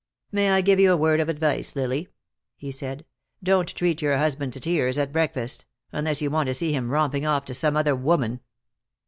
"May I give you a word of advice, Lily?" he said. "Don't treat your husband to tears at breakfast unless you want to see him romping off to some other woman."